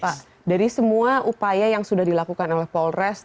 pak dari semua upaya yang sudah dilakukan oleh polres